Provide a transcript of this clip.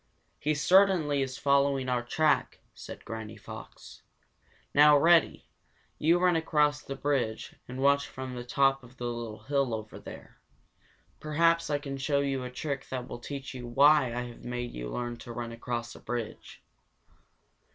"He certainly is following our track," said Granny Fox. "Now, Reddy, you run across the bridge and watch from the top of the little hill over there. Perhaps I can show you a trick that will teach you why I have made you learn to run across the bridge."